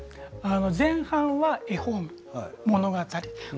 前半は絵本で物語です。